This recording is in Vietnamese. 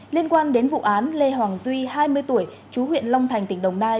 liên quan đến vụ án lê hoàng duy hai mươi tuổi chú huyện long thành tỉnh đồng nai